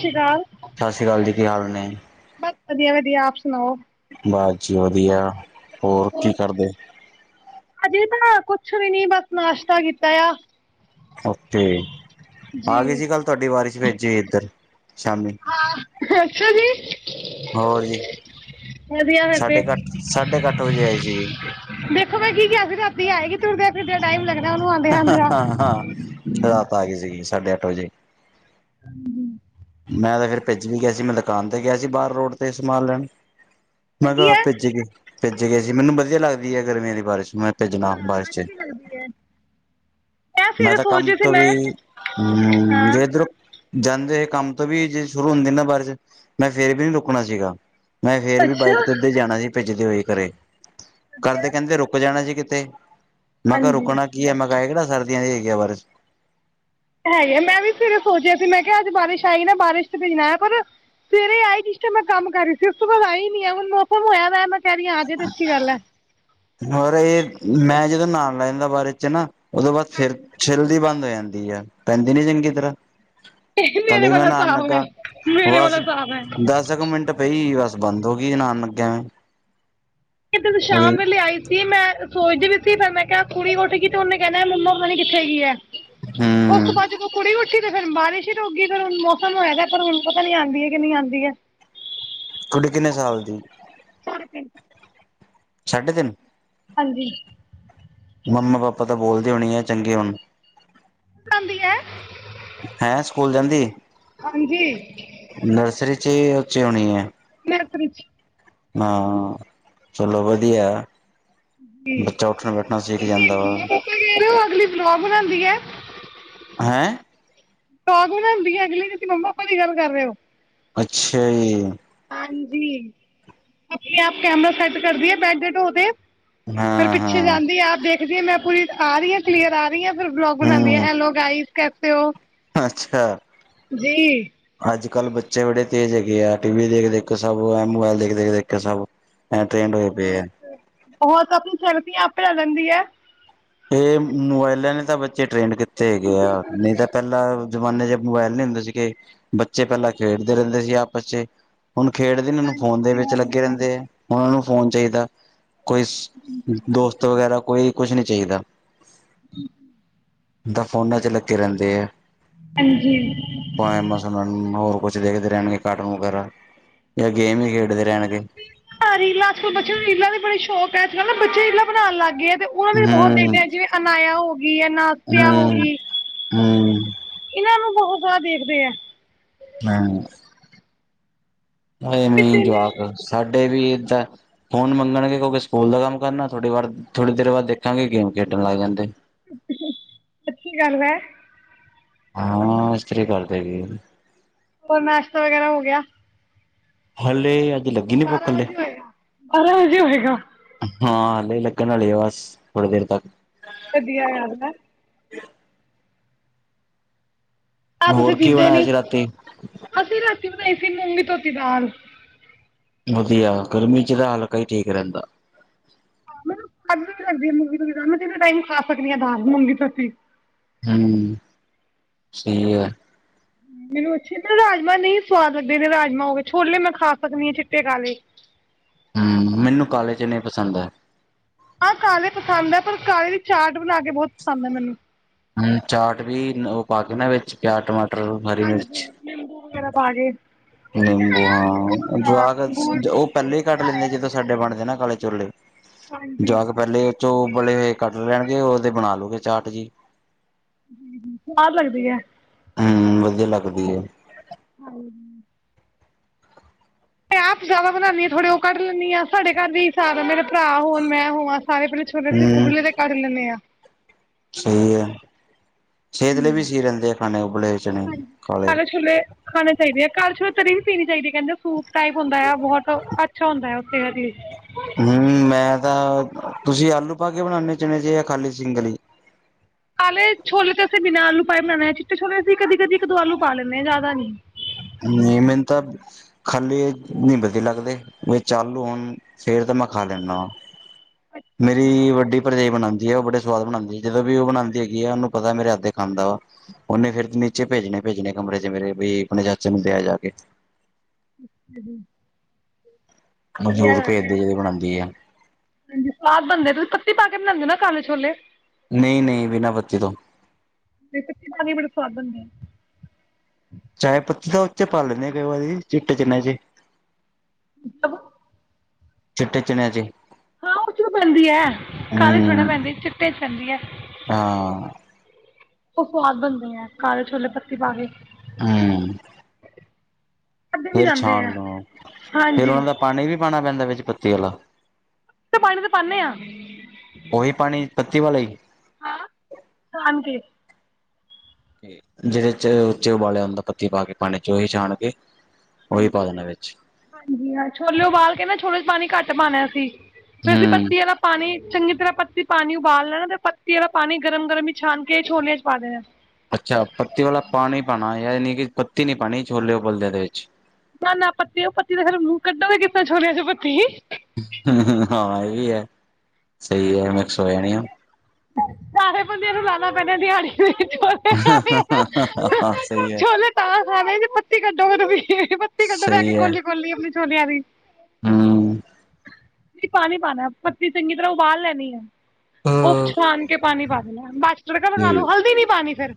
ਸ਼੍ਰੀ ਅਕਾਲ ਸ੍ਰੀ ਅਕਾਲ ਜੀ ਕੀ ਹਾਲ ਨੇ ਬਸ ਵਧੀਆ-ਵਧੀਆ ਆਪ ਸੁਣਾਓ। ਬਸ ਵਧੀਆ, ਹੋਰ ਕੀ ਕਰਦੇ? ਅਜੇ ਬਣਾ ਕੁਛ ਵੀ ਨੀ, ਬਸ ਨਾਸ਼ਤਾ ਕੀਤਾ ਆ। ਓਕੇ ਜੀ ਆ ਗਈ ਸੀ ਕੱਲ ਤੁਹਾਡੀ ਬਾਰਿਸ਼ ਵਿੱਚ ਇੱਧਰ ਸ਼ਾਮੀ ਹਾਂ ਅੱਛਾ ਜੀ। ਹੋਰ ਜੀ ਵਧੀਆ ਫਿਰ ਤੇ ਸਾਢੇ ਅੱਠ ਸਾਢੇ ਅੱਠ ਵਜੇ ਆਈ ਸੀਗੀ ਦੇਖੋ ਮੈਂ ਕੀ ਕਿਹਾ ਸੀਂ ਰਾਤੀ ਆਏਗੀ ਤੁਰਦੇ ਫਿਰਦੇ ਟਾਈਮ ਲੱਗਦਾ ਉਹਨੂੰ ਆਂਦਿਆ- ਆਂਦਿਆ। ਹਾਂ। ਰਾਤ ਆ ਗਈ ਸੀਗੀ ਸਾਢੇ ਅੱਠ ਵਜੇ ਹਾਂਜੀ ਮੈਂ ਤੇ ਫਿਰ ਭਿੱਜ ਈ ਗਿਆ ਸੀ। ਮੈਂ ਦੁਕਾਨ ਤੇ ਗਿਆ ਸੀ, ਬਾਹਰ ਰੋਡ ਤੇ ਸਮਾਨ ਲੈਣ। ਮੈਂ ਸਹੀ ਤਾਂ ਆਪ ਹੈ ਭਿੱਜ ਹੀ ਗਿਆ, ਭਿਜ ਗਿਆ ਸੀ, ਮੈਨੂੰ ਵਧੀਆ ਲੱਗਦੀ ਐ ਗਰਮੀਆਂ ਦੀ ਬਾਰਿਸ਼। ਮੈਂ ਤੇ ਜਨਾਬ ਹਾਂ ਮਾਰਚਲ ਅੱਛੀ ਲੱਗਦੀ ਹੈ ਮੈਂ ਸਵੇਰੇ ਤਾਂ ਸੋਚ ਕੰਮ ਰਹੀ ਸੀ ਤੋਂ ਮੈਂ ਵੀ ਹੂੰ ਹਾਂ ਇਧਰੋਂ ਜਾਂਦੇ ਸੀ ਕੰਮ ਤੋਂ ਵੀ ਜੇ ਸ਼ੁਰੂ ਹੁੰਦੀ ਨਾ ਬਾਰਿਸ਼ 'ਚ ਮੈਂ ਫੇਰ ਵੀ ਨੀ ਰੁਕਣਾ ਸੀਗਾ। ਮੈਂ ਫੇਰ ਵੀ ਅੱਛਾ ਬਾਈਕ ਤੇ ਐਦਾਂ ਹੀ ਵਧੀਆ ਜਾਣਾ ਸੀ ਭਿੱਜਦੇ ਹੋਏ ਘਰੇ ਘਰਦੇ ਕਹਿੰਦੇ ਰੁਕ ਜਾਣਾ ਸੀ ਕਿਤੇ ਮੈਂ ਕਿਹਾ ਹਾਂਜੀ ਰੁਕਣਾ ਕੀ ਆਂ ਹੈ ਇਹ ਕਿਹੜਾ ਦੀ ਆਈ ਹੈਗੀ ਆ ਬਾਰਿਸ਼। ਹੈਗੇ ਆ ਮੈਂ ਵੀ ਫੇਰ ਸੋਚਿਆ ਸੀ ਮੈਂ ਕਿਹਾ ਅੱਜ ਬਾਰਿਸ਼ ਆਈ ਨਾ ਬਾਰਿਸ਼ ਤੇ ਭੀਜਣਾ ਪਰ ਸਵੇਰੇ ਆਈ ਇਸ ਟਾਈਮ ਮੈਂ ਕੰਮ ਕਰ ਰਹੀ ਸੀ ਉਸ ਤੋਂ ਬਾਅਦ ਆਈ ਨੀ ਹੁਣ ਮੌਸਮ ਹੋਇਆ ਵਾ ਮੈਂ ਕਹਿ ਰਹੀ ਆਜੇ ਤੇ ਅੱਛੀ ਗੱਲ ਹੈ। ਹੋਰ ਇਹ ਮੈਂ ਜਦੋਂ ਨਹਾਉਣ ਲੱਗ ਜਾਣਾ ਬਾਰਿਸ਼ ਵਿੱਚ ਨਾ ਉਹਦੋਂ ਬਾਅਦ ਫਿਰ ਹਾਂਜੀ ਛਿੱਲਦੀ ਬੰਦ ਹੋ ਜਾਂਦੀ ਆ ਪੈਂਦੀ ਨੀ ਚੰਗੀ ਤਰ੍ਹਾਂ ਕੱਲ ਮੇਰੇ ਵੀ ਮੈਂ ਵਾਲਾ ਨਾਣ ਹਿਸਾਬ ਹੈ ਲੱਗਾ, ਮੇਰੇ ਬਸ ਵਾਲਾ ਹਿਸਾਬ ਹੈ ਦਸ ਕੁ ਮਿੰਟ ਪਈ ਬਸ ਬੰਦ ਹੋ ਗਈ ਜਦੋਂ ਨਹਾਉਣ ਲੱਗਿਆਂ ਮੈਂ ਏਧਰ ਨੂੰ ਸ਼ਾਮ ਵੇਲੇ ਆਈ ਸੀ ਮੈਂ ਸੋਚਦੀ ਬੀ ਸੀ ਫੇਰ ਮੈਂ ਕੇਆ ਕੂੜੀ ਉਠ ਗਈ ਤਾਂ ਉਹਨੇ ਕੇਣਾ ਏ, ਮੰਮਾ ਪਤਾ ਨੀ ਕਿੱਥੇ ਗੀ ਐ? ਉਸ ਹੂੰ ਬਾਦ ਜਦੋਂ ਕੁੜੀ ਉੱਠੀ। ਤੇ ਫਿਰ ਬਾਰਿਸ਼ ਹੀ ਰੁਕਗੀ, ਫਿਰ ਹੁਣ ਮੌਸਮ ਹੋਗਾ, ਪਰ ਹੁਣ ਪਤਾ ਨੀ ਆਂਦੀ ਹੈ ਕਿ ਨਈ ਆਂਦੀ ਐ। ਕੁੜੀ ਕਿੰਨੇ ਸਾਲ ਦੀ? ਸੜ ਪੀ। [unintelligible] ਸਾਢੇ ਤਿੰਨ। ਹਾਂਜੀ। ਮੰਮਾ, ਪਾਪਾ ਤਾਂ ਬੋਲਦੇ ਹੋਣੇ ਐ ਚੰਗੇ ਹੁਨ। ਕਹਿੰਦੀ ਹੈ। ਹੈਂ ਸਕੂਲ ਜਾਂਦੀ, ਹਾਂਜੀ ਨਰਸਰੀ ਚ ਉਚੇ ਹੋਣੀ ਐ? ਮਰਕ ਵਿੱਚ [unintelligible] ਹਾਂ, ਚਲੋ ਵਧੀਆ ਏ। ਜੀ ਬੱਚਾ ਉੱਠਣਾ, ਬੈਠਣਾ ਸਿੱਖ ਜਾਂਦਾ ਵਾ। ਤੁਸੀਂ ਕੇਹ ਰਏ ਔ ਅਗਲੀ ਵਲੋਗ ਬਣਾਂਦੀ ਏ। ਹੈਂ? ਸ਼ੋਕ ਵੀ, ਨਾ ਹੁੰਦੀ ਹੈ ਅਗਲੀ, ਤੁਸੀਂ ਮੰਮਾ ਪਾਪਾ ਦੀ ਗੱਲ ਕਰ ਰਹੇ ਹੋ। ਅੱਛਾ ਜੀ। ਹਾਂਜੀ, ਆਪਣੇ-ਆਪ ਕੈਮਰਾ ਸੈੱਟ ਕਰਦੀ ਆ, ਬੈੱਡ ਦੇ ਢੋਹ ਤੇ। ਫਿਰ ਹਾਂ ਪਿੱਛੇ ਹਾਂ ਜਾਂਦੀ ਆ, ਆਪ ਵੇਖਦੀ ਮੈਂ ਪੂਰੀ ਆ ਰਹੀ ਆ। ਕਲੀਅਰ ਆ ਰੀ ਐ, ਫਿਰ ਬਲੋਗ ਬਨਾਦੀ ਐ। ਹਮ ਹੈਲੋ ਗਾਈਸ ਕੈਸੇ ਹੋ? ਅੱਛਾ। ਅੱਜ ਕੱਲ, ਬੱਚੇ ਬੜੇ ਤੇਜ਼ ਹੈਗੇ ਆ। ਟੀ ਵੀ ਦੇਖ- ਦੇਖ ਸਭ ਮੋਬਾਇਲ ਦੇਖ- ਦੇਖ, ਦੇਖ ਕੇ ਸਭ। ਐ ਤਾਂ ਐਂਡ ਹੋਏ ਪਏ ਆਂ। ਹੋਰ ਤਾਂ ਤੂੰ ਸੜਦੀ ਏ ਆਪੇ ਲੈ ਲੈਂਦੀ ਐ। ਇਹ ਮੋਬਾਇਲਾਂ ਨੇ ਤਾਂ ਬੱਚੇ ਟ੍ਰੇਡ ਕੀਤੇ ਹੈਗੇ ਆ ਨਹੀਂ ਤਾਂ। ਪਹਿਲਾਂ ਜਮਾਨੇ ਚ ਮੋਬਾਇਲ ਨਹੀਂ ਹੁੰਦੇ ਸੀਗੇ। ਬੱਚੇ ਪਹਿਲਾਂ ਖੇਡਦੇ ਰਹਿੰਦੇ ਸੀ ਆਪਸ ਚ ਹੀ। ਹੁਨ ਖੇਡਦੇ ਨੂੰ ਫੋਨ ਦੇ ਵਿੱਚ ਲੱਗੇ ਰਹਿੰਦੇ ਐ, ਹੁਣ ਉਹਨਾ ਨੂੰ ਫੋਨ ਚਾਹੀਦਾ। ਕੋਈ ਸ ਦੋਸਤ ਵਗੈਰਾ, ਕੋਈ ਕੁਛ ਨਹੀਂ ਚਾਹੀਦਾ। ਠੀਕ [inaudible] ਦਾ, ਫੋਨਾਂ ਚ ਲੱਗੇ ਰਹਿਂਦੇ ਐ। [inaudible] ਪਾਯਾ ਮਸ ਉਹਨਾਂ ਨੂੰ, ਹੋਰ ਕੁਛ ਵੇਖਦੇ ਰੇਣਗੇ ਕਾਰਟੂਨ ਵਗੈਰਾ, ਯਾ ਗੇਮ ਈ ਖੇਡਦੇ ਰੇਹਣਗੇ। ਹਾਂ ਰੀਲਾਂ ਅੱਜ ਕੱਲ ਬੱਚਿਆਂ ਨੂੰ ਰੀਲਾਂ ਦੀ ਬੜੀ ਸ਼ੌਕ ਹੈ। ਅੱਜ ਕੱਲ ਬੱਚੇ ਰੀਲਾਂ ਬਣਾਉਣ ਲੱਗ ਗਏ ਤੇ। ਹੋਰ ਵੀ ਬਹੁਤ ਹੂੰ ਦੇਖਦੇ ਆ, ਜਿਵੇਂ ਅਨਾਇਆ ਹੋ ਗੀ, ਅਨਾਤਿਆ ਹੋ ਹੂੰ ਗੀ। ਹੂੰ ਇਹਨਾਂ ਨੂੰ ਬਹੁਤ ਜ਼ਿਆਦਾ ਦੇਖਦੇ ਆ। [unintelligible] ਐਵੇ ਈ ਕਿਸੇ ਨੇ ਜਵਾਕ, ਸਾਡੇ ਵੀ ਏਦਾਂ ਏ। ਫੋਨ ਮੰਗਣਗੇ, ਕਿਉਂਕਿ ਸਕੂਲ ਦਾ ਕੰਮ ਕਰਨਾ, ਥੋਢੀ ਵਾਰ ਥੋੜ੍ਹੀ ਦੇਰ ਬਾਅਦ ਦੇਖਾਂਗੇ ਗੇਮ ਖੇਡਣ ਲੱਗ ਜਾਂਦੇ। ਸੱਚੀ ਗੱਲ ਐ। ਹਾਂ, ਇਸਤਰੀ ਕਰਦੇਗੀ। ਹੋਰ, ਨਾਸ਼ਤਾ ਵਗੈਰਾ ਹੋ ਗਿਆ? ਹਲੇ ਅ ਬਾਰਾਂ ਵਜੇ ਹੋਏਗਾ, ਬਾਰਾਂ ਵਜੇ ਹੋਏਗਾ। ਹਾਂ, ਲੀ ਲੱਗਣ ਆਲੀ ਐ, ਬਸ ਥੋੜੀ ਦੇਰ ਤੱਕ। ਵਧੀਆ ਲੱਗਦਾ ਹੈ। ਆ, ਤੁਸੀਂ ਹੋਰ ਕੀ ਪੀਂਦੇ ਬਣਾਇਆ ਨੀ? ਸੀ ਰਾਤੀ ਅਸੀਂ ਰਾਤੀ ਬਣਾਈ ਸੀ ਮੂੰਗੀ ਧੋਤੀ ਦਾਲ। ਵਧੀਆ ਗਰਮੀ ਚ ਤਾਂ ਹਲਕਾ ਹੀ ਠੀਕ ਰਹਿੰਦਾ ਹੈ। ਮੈਨੂੰ ਖੁਦ ਵੀ ਲੱਗਦੀ ਹੈ ਮੂੰਗੀ ਮੈਂ ਤਿੰਨੇ ਟਾਈਮ ਖਾ ਸਕਦੀ ਹਾਂ ਮੂੰਗੀ, ਮੱਸਰ [unintelligible] ਹੂੰ ਸਈ ਐ। ਮੈਨੂੰ ਅੱਛੇ ਰਾਜਮਾਂਹ ਨਹੀਂ ਸਵਾਦ ਲੱਗਦੇ ਰਾਜਮਾਂਹ ਹੋ ਗਏ। ਛੋਲੇ ਮੈਂ ਖਾ ਸਕਦੀ ਹਾਂ, ਚਿੱਟੇ ਕਾਲੇ। ਹੂੰ ਮੈਨੂੰ ਕਾਲਜ ਨਹੀਂ ਪਸੰਦ ਹੈ। ਆ ਕਾਲੇ ਪਸੰਦ ਹੈ। ਪਰ ਕਾਲੇ ਦੀ ਚਾਟ ਬਣਾ ਕੇ, ਬਹੁਤ ਪਸੰਦ ਹੈ। ਮੈਨੂੰ, ਹੂ, ਚਾਟ ਵੀ ਉਹ ਪਾ, ਕੇ ਨਾ ਵਿੱਚ ਪਿਆਜ, ਟਮਾਟਰ। ਹਰੀ ਹਾਂਜੀ ਮਿਰਚ ਨਿੰਬੂ ਵਗੈਰਾ ਪਾ ਕੇ। ਨਿੰਬੂ ਹਾਂ, ਹਾਂ ਜਵਾਕ ਗੁੜ ਉਹ ਪਹਿਲਾਂ ਹੀ ਕੱਟ ਲੈਂਦੇ ਜਦੋਂ। ਸਾਡੇ ਬਣਦੇ ਨਾ ਕਾਲੇ ਛੋਲੇ, ਹਾਂਜੀ ਜਾ ਤਾਂ ਪਹਿਲੇ। ਜੋ ਉਬਲੇ ਹੋਏ ਕੱਡ ਲੈਣਗੇ, ਉਦੇ ਬਣਾ ਲੁਉਗੇ ਚਾਟ ਜੀ। ਸਵਾਦ, ਲੱਗਦੀ ਹੈ। ਹਮ, ਵਧੀਆ ਲੱਗਦੀ ਐ, ਆਏਗੀ। ਮੈਂ ਆਪ ਜਿਆਦਾ ਬਣਾਉਦੀ ਆ, ਥੋੜੇ ਉਹ ਕੱਢ ਲੈਂਦੀ ਆ। ਸਾਡੇ ਘਰ ਵੀ- ਭਾਵੇਂ ਮੇਰੇ ਪਰਾ ਹੋਣ, ਮੈਂ ਹੋਵਾ, ਸਾਰੇ ਫਿਰ ਛੋਲੇ ਫਿਰ ਹੂੰ ਉਬਲੇ ਦੇ ਕੱਢ ਲੈਂਣੇ ਆ। ਸਹੀ ਹੈ, ਸਿਹਤ ਲਈ ਵੀ ਸਹੀ ਰਹਿੰਦੇ ਆ, ਖਾਣੇ ਉਬਲੇ। ਹਾਂਜੀ, ਕਾਲੇ ਛੋਲੇ। ਖਾਣੇ ਚਾਈਦੇ ਆ, ਘਰ ਚ ਤਰੀ ਵੀ ਪੀਣੀ ਚਾਹੀਦੀ ਕਹਿੰਦੇ ਸੂਪ ਟਾਈਪ ਹੁੰਦਾ ਏ ਆ, ਬਹੋਤ ਅੱਛਾ ਹੁੰਦਾ ਏ ਉਹ ਸੇਹਤ ਲਈ। ਹੂੰ ਮੈਂ ਤਾਂ, ਤੁਸੀਂ ਆਲੂ ਪਾ ਕੇ ਬਣਾਦੇ ਚਣੇ ਜੀ, ਜਾਂ ਖਾਲੀ ਸਿੰਗਲ ਈ? ਕਾਲੇ ਛੋਲੇ ਤੇ ਅਸੀਂ ਬਿਨਾਂ ਆਲੂ ਪਾਏ ਬਣਾਉਣੇ ਆਂ। ਚਿੱਟੇ ਛੋਲੇ ਅਸੀਂ ਕਦੀ- ਕਦੀ ਇੱਕ, ਦੋ ਆਲੂ ਪਾ ਲੈਂਦੇ ਹਾਂ, ਜ਼ਿਆਦਾ ਨਹੀਂ। ਹਾਂਜੀ ਮੈਨੂੰ ਤਾਂ ਖਾਲੀ ਨੀ ਵਧੀਆ ਲੱਗਦੇ, ਵਿੱਚ ਆਲੂ ਹੋਣ ਫੇਰ ਤਾਂ ਮੈਂ ਖਾ ਲੈਂਦਾ ਵਾਂ। ਮੇਰੀ ਵੱਡੀ ਭਰਜਾਈ ਬਨਾਦੀ ਐ, ਉਹ ਬੜੇ ਸਵਾਦ ਬਣਾਦੀ ਹੈ, ਜਦੋਂ ਵੀ ਉਹ ਬਣਾਦੀ ਹੈਗੀ ਐ, ਉਹਨੂੰ ਪਤਾ ਮੇਰੇ ਹੱਥ ਖਾਂਦਾ ਵਾ। ਉਹਨੇ ਫੇਰ, ਨੀਚੇ ਭੇਜਣੇ-ਭੇਜਣੇ, ਕਮਰੇ 'ਚ ਮੇਰੇ ਬੀ ਆਪਣੇ ਚਾਚੇ ਨੂੰ ਦੇ ਆ ਜਾ ਕੇ। [inaudible] ਮੈਨੂੰ ਵਧੀਆ ਜ਼ਰੂਰ ਗੱਲ ਭੇਜਦੋ ਹੈ, ਜਦੋਂ ਬਣਾਉਂਦੀ ਆ। ਹਾਂਜੀ ਸਵਾਦ ਬਣਦੇ ਨਾ, ਤੁਸੀਂ ਪੱਤੀ ਪਾ ਕੇ ਬਣਾਉਦੇ ਹੋ ਨਾ ਕਾਲੇ ਛੋਲੇ। ਨਹੀਂ- ਨਹੀਂ ਬਿਨਾਂ ਪੱਤੀ ਤੋਂ। ਤੇ ਪੱਤੀ ਪਾ ਕੇ ਵੀ, ਬੜੇ ਸੁਆਦ ਬਣਦੀ ਆ। ਚਾਹੇ ਪੱਤੀ ਤਾਂ ਉਹ ਚ ਪਾ ਲੈਂਦੇ ਹਾਂ ਕਈ ਵਾਰੀ, ਚਿੱਟੇ ਚੱਨੇ ਚ। ਹੂੰ ‌। ਚਿੱਟੇ ਚਿਣਿਆ ਚ। ਹਾਂ ਉਹ ਚ ਹੀ ਤਾਂ ਪੈਂਦੀ ਹੈ, ਕਾਲੇ ਥੋਣੀ ਨਾ ਹਮ ਪੈਂਦੀ ਚਿੱਟੇ ਚ ਪੈਂਦੀ ਹੈ। ਹਾਂ ਉਹ ਸਵਾਦ ਬਣਦੇ ਹੈ, ਕਾਲੇ ਛੋਲੇ ਪੱਤੀ ਪਾ ਕੇ। ਹੂੰ। ਅੱਧੇ ਵੀ ਫੇਰ ਜਾਂਦੇ ਛਣ ਆ ਨੂੰ ਫੇਰ ਹਾਂਜੀ ਉਹਨਾ ਦਾ ਪਾਣੀ ਵੀ ਪਾਉਣਾ ਪੈਂਦਾ ਵਿੱਚ ਪੱਤੀ ਵਾਲਾ। ਹਾਂ, ਪਾਣੀ ਤੇ ਪਾਉਦੇ ਹਾਂ। ਉਹੀ ਪਾਣੀ, ਪੱਤੀ ਵਾਲਾ ਹੀ। ਹਾਂ! ਹਾਂਜੀ। ਜਿਹਦੇ ਚ ਉੱਚੇ ਉਬਾਲਿਆ ਹੁੰਦਾ, ਪੱਤੀ ਪਾ ਕੇ ਪਾਣੀ ਚ ਉਹੀ ਛਾਣ ਕੇ। ਉਹੀ ਪਾ ਦੇਣਾ ਵਿੱਚ। ਹਾਂਜੀ ਹਾਂ, ਛੋਲੇ ਉਬਾਲ ਕੇ ਨਾ ਛੋਲੇ ਚ ਪਾਣੀ ਘੱਟ ਪਾਉਣਾ ਸੀ, ਫੇਰ ਅਸੀਂ ਹਮ ਪੱਤੀਆਂ ਦਾ ਪਾਣੀ ਚੰਗੀ ਤਰਾਂ ਪੱਤੀ ਪਾਣੀ ਉਬਾਲ ਲੈਣਾ ਤੇ ਪੱਤੀ ਵਾਲਾ ਪਾਣੀ ਗਰਮ- ਗਰਮ ਹੀ ਛਾਣ ਕੇ ਛੋਲਿਆਂ ਚ ਪਾ ਦੇਣਾ। ਅੱਛਾ ਪੱਤੀ ਵਾਲਾ ਪਾਣੀ ਪਾਉਣਾ ਯਾਨੀ ਕਿ ਪੱਤੀ ਨੀ ਪਾਣੀ ਛੋਲੇ ਉਬਲਦੇ ਦੇ ਵਿੱਚ। ਨਾ ਨਾ ਪੱਤੀ ਦੇ ਮੂੰਹ ਚ ਫਿਰ ਕੱਢੋਗੇ ਕਿੱਦਾਂ ਛੋਲਿਆਂ ਚੋਂ ਪੱਤੀ। ਹਾਂ ਇਹ ਵੀ ਹੈ ਸਹੀ ਹੈ ਮਿੱਕਸ ਹੋ ਜਾਣੀਆ। ਵੈਸੇ ਬੰਦਿਆਂ ਨੂੰ ਲਾਉਣਾ ਪੈਣਾ ਦਿਹਾੜੀ ਜੇ ਛੋਲੇ ਖਾਣੇ ਆ ਤੇ। ਸਹੀ ਹੈ ਛੋਲੇ ਤਾਂ ਖਾਣੇ ਨੇ ਜੇ ਪੱਤੀ ਕੱਢੋਗੇ ਪੱਤੀ ਕੱਢੋਗੇ ਬੈਠਕੇ ਸਹੀ ਹੈ ਕੋਲੀ। ਕੋਲੀ ਆਪਣੀ ਛੋਲਿਆਂ ਦੀ। ਹਮ ਪਾਣੀ ਪਾਣਾ ਪੱਤੀ ਚੰਗੀ ਤਰ੍ਹਾਂ ਉਬਾਲ ਲੈਣੀ ਹੈ। ਉਹ ਹਾਂ ਛਾਣ ਕੇ ਪਾਣੀ ਪਾ ਦੇਣਾ ਬਸ ਤੜਕਾ ਲਗਾ ਤੇ ਲਉ ਹਲਦੀ ਨੀ ਪਾਣੀ ਫਿਰ।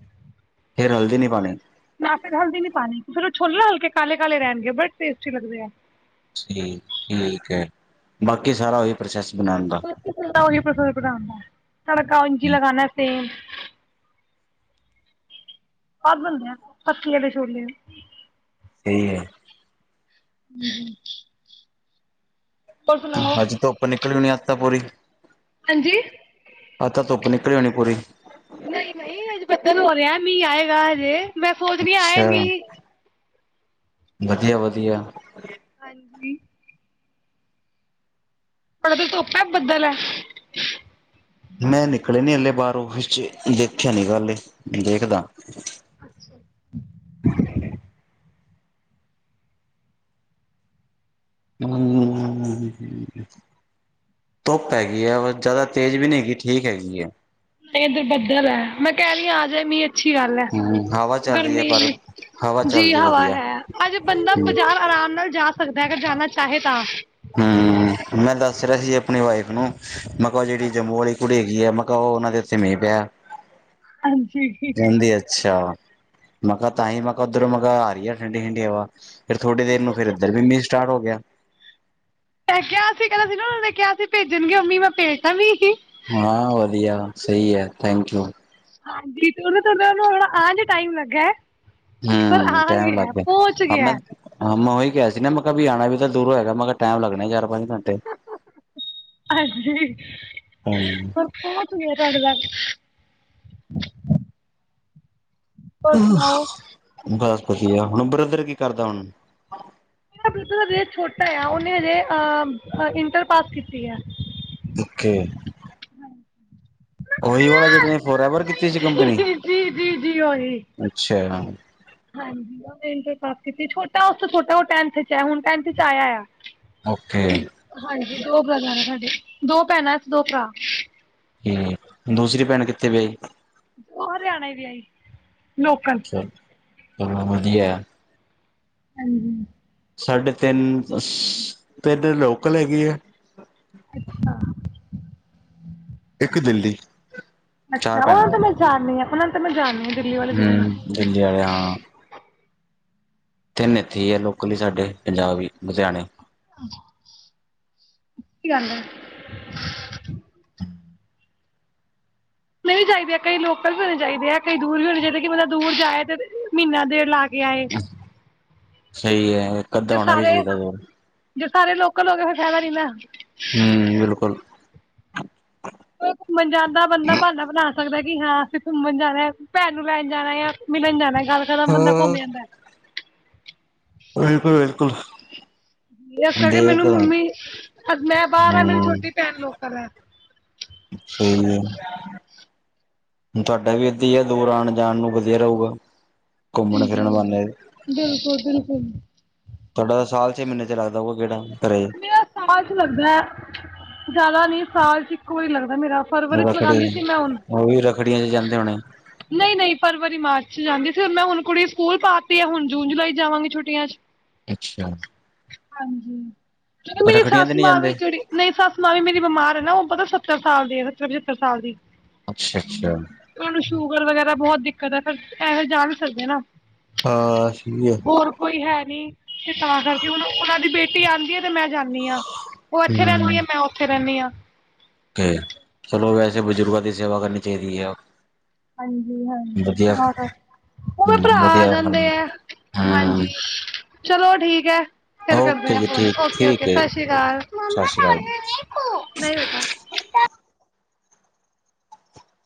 ਫਿਰ ਹਲਦੀ ਨਹੀਂ ਪਾਉਣੀ। ਨਾ ਫਿਰ ਹਲਦੀ ਨੀ ਪਾਣੀ ਫਿਰ ਉਹ ਛੋਲੇ ਨਾ ਹਲਕੇ ਕਾਲੇ ਕਾਲੇ ਰਹਿਣਗੇ ਬੜੇ ਟੇਸਟੀ ਬਣਦੇ ਆ। ਬਸ, ਠੀਕ ਹੈ, ਬਾਕੀ ਸਾਰਾ ਉਹੀ ਪ੍ਰੋਸੈਸ ਬਣਾਉਣ ਦਾ। ਉ ਨਾਲਜੀ ਲਗਾਉਣਾ ਸੇਮ [inaudible] ਆਹ ਬਣਦੇ ਆ ਪੱਤੀ ਵਾਲੇ ਛੋਲੇ। ਸਹੀ ਹੈ। ਹ ਅੱਜ ਧੁੱਪ ਨਿਕਲੀ ਹੋਣੀ ਅੱਜ ਤਾਂ ਪੂਰੀ। ਹਾਂਜੀ? ਅੱਜ ਤਾਂ ਧੁੱਪ ਨਿਕਲੀ ਹੋਣੀ ਪੂਰੀ? ਨਹੀਂ ਨਹੀਂ ਹਜੇ ਬੱਦਲ ਹੋ ਰਿਹਾ ਮੀਂ ਆਏਗਾ ਹਜੇ ਮੈਂ ਸੋਚਦੀ ਆਏ ਅੱਛਾ ਮੀਂਹ। ਵਧੀਆ ਵਧੀਆ। ਹਾਂਜੀ। ਤੁਹਾਡੇ ਤਾਂ ਧੁੱਪ ਆਂ ਬੱਦਲ ਹੈ? ਮੈਂ ਨਿਕਲਿਆ ਨੀ ਹਾਲੇ ਬਾਹਰ ਆਫਿਸ ਚ ਦੇਖਿਆ ਨਹੀਂ ਗਾ ਹਲੇ ਦੇਖਦਾ। ਅੱਛਾ। ਹਮ ਧੁੱਪ ਹੈਗੀ ਹੈ, ਜ਼ਿਆਦਾ ਤੇਜ਼ ਵੀ ਨਹੀਂ ਹੈਗੀ, ਠੀਕ ਹੈਗੀ ਹੈ। ਇਧਰ ਬੱਦਲ ਹੈ ਮੈਂ ਕਹਿ ਲਈ ਆ ਜਏ ਮੀਂਹ ਇੱਥੇ। ਅੱਛੀ ਗੱਲ ਹੈ, ਹਮ ਹਵਾ ਚੱਲ ਰਹੀ ਹੈ ਗਰਮੀ ਪਰ ਇਨੀ ਹਵਾ ਜੀ ਚੱਲਦੀ ਹਵਾ ਵਧੀਆ ਹੈ ਅੱਜ। ਬੰਦਾ ਹਮ ਬਜ਼ਾਰ ਆਰਾਮ ਨਾਲ ਜਾ ਸਕਦਾ ਅਗਰ ਜਾਣਾ ਚਾਹੇ ਤਾਂ। ਹਮ, ਮੈਂ ਦੱਸ ਰਿਹਾ ਸੀ ਆਪਣੀ ਵਾਈਫ ਨੂੰ ਮੈਂ ਕਿਹਾ ਜਿਹੜੀ ਜੰਮੂ ਵਾਲੀ। ਕੁੜੀ ਹੈਗੀ ਆ ਮੈਂ ਕਿਹਾ ਉਹਨਾ ਦੇ ਉੱਥੇ ਮੀਂਹ ਪਿਆ। ਹਾਂਜੀ। ਕਹਿੰਦੀ ਅੱਛਾ! ਮੈਂ ਕਿਹਾ ਤਾਂਹੀ, ਮੈ ਕਿਹਾ ਉਧਰੋਂ ਆ ਰਹੀ ਹੈ ਠੰਡੀ ਠੰਡੀ ਹਵਾ। ਫਿਰ ਥੋੜੀ ਦੇਰ ਨੂੰ ਫਿਰ ਇਧਰ ਵੀ ਮੀਂਹ ਸਟਾਰਟ ਹੋ ਗਿਆ। ਮੈ ਕਿਹਾ ਸੀ ਕਹਿੰਦਾ ਸੀ ਨਾ ਕਿਹਾ ਉਹਨਾਂ ਨੇ ਭੇਜਣਗੇ ਉਹ ਮੀਹ ਮੈਂ ਭੇਜਤਾ ਫਿਰ ਮੀਂਹ। ਹਾਂ ਵਧੀਆ ਸਹੀ ਹੈ ਥੈਂਕ ਯੂ। ਹਾਂਜੀ, ਉਹਨਾਂ ਤੁਹਾਨੂੰ ਥੋੜਾ ਅੱਜ ਟਾਈਮ ਲੱਗਾ। ਪਰ ਹਮ ਆ ਟਾਈਮ ਲੱਗ ਹੈ, ਗਿਆ ਪਹੁੰਚ ਮੈਨੂੰ ਅਬ ਗਿਆ ਮੈਂ। ਹੈ। ਹਾਂ, ਮੈਂ ਉਹੀ ਕਿਹਾ ਸੀ ਨਾ ਮੈਂ ਕਿਹਾ ਵੀ ਆਉਣਾ ਵੀ ਤਾਂ ਦੂਰੋ ਹੋਏਗਾ ਮੈਂ ਕਿਹਾ ਟਾਈਮ ਲੱਗਣਾ ਚਾਰ ਪੰਜ। ਘੰਟੇ ਹਾਂ ਹੋਰ ਹੂੰ ਬਹੁਤ ਹੋਆ ਤੁਹਾਡੇ ਨਾਲ। ਹੋਰ ਸੁਣਾਓ ਬਸ ਵਧੀਆ, ਹੁਣ ਬ੍ਰਦਰ ਕੀ ਕਰਦਾ ਹੁਣ? ਬਰਦਰ ਹਜੇ ਛੋਟਾ ਆ, ਉਹਨੇ ਹਜੇ ਅਹ ਇੰਟਰ ਪਾਸ ਕੀਤੀ ਹੈ। ਓਕੇ ਉਹੀ ਵਾਲਾ ਜਿਹੜੇ ਨੇ। ਫਾਰਐਵਰ ਕਿੱਥੇ ਚ ਕੰਪਨੀ ਜੀ ਜੀ ਜੀ ਉਹੀ ਅੱਛਾ? ਹਾਂਜੀ ਇੰਟਰ ਪਾਸ ਕੀਤੀ। ਛੋਟਾ ਉਸ ਤੋਂ ਛੋਟਾ ਹੁਣ ਟੈਂਥ ਚ ਆ। ਹੁਣ ਟਥ ਚ ਆਇਆ ਆ। ਓਕੇ ਹਾਂਜੀ ਦੋ ਬ੍ਰਦਰ ਆਂ ਸਾਡੇ ਦੋ ਭੈਣਾਂ ਅਸੀਂ ਦੋ ਭਰਾ। ਤੇ ਦੂਸਰੀ ਭੈਣ ਕਿੱਥੇ ਵਿਆਹੀ? ਉਹ ਹਰਿਆਣੇ ਵਿਆਹ ਹੀ ਲੋਕਲ। ਚਲੋ ਵਧੀਆ। ਹਾਂਜੀ। ਸਾਡੇ ਤਿੰਨ, [unintelligible] ਤਿੰਨ ਤੇ ਲੋਕਲ ਹੈਗੇ ਐ। ਅੱਛਾ। ਇੱਕ ਦਿੱਲੀ। ਅੱਛਾ ਚਾਰ ਓ ਭੈਣਾਂ ਤਾਂ ਮੇਰੀਆਂ ਮੈਂ ਜਾਣਨੀ ਆਂ, ਓਨਾਂ ਨੂੰ ਤਾਂ ਮੈਂ ਜਾਣਨੀ ਹਾਂ ਦਿੱਲੀ ਵਾਲੀ ਦੀਦੀ ਨੂੰ। ਹਮ ਦਿੱਲੀ ਆਲੇ ਹਾਂ। ਤਿੰਨ ਏਥੇ ਈ ਐ ਲੋਕਲ ਈ ਸਾਡੇ, ਪੰਜਾਬ ਈ ਲੁਧਿਆਣੇ। [unintelligible] ਕੀ [unintelligible] ਹੋਣੇ ਵੀ ਚਾਹੀਦੇ ਆ, ਕਈ ਲੋਕਲ ਵੀ ਹੋਣੇ ਚਾਹੀਦੇ ਆ, ਕਈ ਦੂਰ ਵੀ ਹੋਣੇ ਚਾਹੀਦੇ ਆ, ਕੀ ਬੰਦਾ ਦੂਰ ਜਾਏ ਤੇ ਮਹੀਨਾ ਡੇਢ ਲਾ ਵਿਆਏ ਸਈ ਐ। ਜੇ ਸਾਰੇ, ਜੇ ਸਾਰੇ ਲੋਕਲ ਹੋਗੇ ਫੇਰ ਫੈਦਾ ਨੀ ਨਾ। ਹੂੰ, ਬਿਲਕੁਲ। ਓ ਘੁੰਮਨ ਜਾਨ ਦਾ ਬੰਦਾ ਬਾਨਾ ਬਨਾ ਸਕਦਾ ਕਿ ਹਾਂ ਅਸੀ ਘੁੰਮਨ ਜਾਨਾ, ਭੈਨ ਨੂੰ ਲੈਨ ਜਾਨਾ ਯਾ ਮਿਲਨ ਜਾਨਾ। [unintelligible] ਹਾਂ ਬੰਦਾ ਘੁੰਮ ਆਂਦਾ ਐ। ਬਿਲਕੁਲ-ਬਿਲਕੁਲ। ਇਸ ਕਰਕੇ ਕਿ ਮੈਨੂੰ ਮੰਮੀ, ਅ ਮੈਂ ਬਾਰ ਆ ਮੇਰੀ ਹਮ ਛੋਟੀ ਭੈਨ ਲੋਕਲ ਐ। ਸਈ ਏ। ਹੁਣ ਤੁਹਾਡਾ ਵੀ ਏਦਾਂ ਹੀ ਐ ਦੂਰ ਆਣ-ਜਾਣ ਨੂੰ ਵਧੀਆ ਰਹੂਗਾ। ਹਾਂਜੀ, ਬਿਲਕੁਲ-ਬਿਲਕੁਲ। ਤੁਹਾਡਾ ਤਾਂ ਸਾਲ ਛੇ ਮਹੀਨੇ 'ਚ ਲਗਦਾ ਊਗਾ ਗੇੜਾ ਘਰੇ? ਮੇਰਾ ਸਾਲ 'ਚ ਲੱਗਦਾ, ਜਾਦਾ ਨੀ ਸਾਲ 'ਚ ਇੱਕ ਵਾਰੀ ਲੱਗਦਾ ਮੇਰਾ ਫਰਵਰੀ 'ਚ ਰੱਖੜੀ ਲਗਾਂਦੀ ਸੀ ਮੈਂ ਹੁਨ। ਉਹ ਵੀ ਰੱਖੜੀਆਂ ਚ ਜਾਂਦੇ ਹੋਣੇ। ਨਈ-ਨਈ ਫਰਵਰੀ, ਮਾਰਚ 'ਚ ਜਾਂਦੀ ਸੀ, ਹੁਨ ਮੈਂ ਹੁਨ ਕੁੜੀ ਸਕੂਲ ਪਾਤੀ ਹੈ ਹੁਨ ਜੂਨ-ਜੁਲਾਈ ਜਾਵਾਂਗੀ ਛੁੱਟੀਆਂ 'ਚ। ਅੱਛਾ। ਹਾਂਜੀ, ਜਦੋਂ ਮੇਰੀ ਰੱਖੜੀਆਂ ਤੇ ਸੱਸ ਨਹੀਂ ਮਾਂ ਜਾਂਦੇ। ਵੇ ਜੇੜੀ ਮੇਰੀ ਸੱਸ ਮਾਂ ਵੀ ਮੇਰੀ ਬਿਮਾਰ ਐ ਨਾ, ਓ ਪਤਾ ਸੱਤਰ ਸਾਲ ਦੀ, ਪਚੱਤਰ ਸਾਲ ਦੀ। ਅੱਛਾ-ਅੱਛਾ। ਤੇ ਓਨੂੰ ਸ਼ੂਗਰ ਵਗੈਰਾ ਬੋਤ ਦਿੱਕਤ ਐ ਫੇਰ ਐਵੇਂ ਜਾ ਵੀ ਸਕਦੇ ਨਾ। ਹਾਂ ਸਈ ਏ। ਹੋਰ ਕੋਈ ਹੈ ਨੀ, ਤੇ ਤਾਂ ਕਰਕੇ ਹੁਨ ਓਨਾਂ ਦੀ ਬੇਟੀ ਆਂਦੀ ਐ ਤੇ ਮੈਂ ਜਾਂਨੀ ਆਂ, ਓ ਏਥੇ ਰਹਿੰਦੀ ਏ, ਮੈਂ ਉੱਥੇ ਰਹਿੰਨੀ ਆਂ। ਤੇ ਚਲੋ ਵੈਸੇ ਬਜ਼ੁਰਗਾਂ ਦੀ ਸੇਵਾ ਕਰਨੀ ਚਾਈਦੀ ਏ। ਹਾਂਜੀ-ਹਾਂਜੀ [unintelligible] ਓਵੇਂ ਭਰਾ ਆ ਵਧੀਆ ਜਾਂਦੇ ਐ, ਹਾਂਜੀ ਹੂੰ ਚਲੋ ਠੀਕ ਐ। ਫੇਰ ਕਰਦੇ ਓਕੇ ਆ ਜੀ ਕੋਲ ਠੀਕ-ਠੀਕ ਓਕੇ-ਓਕੇ ਹੈ ਸਤਿ ਸ਼੍ਰੀ ਅਕਾਲ। ਸਤਿ ਸ਼੍ਰੀ ਅਕਾਲ।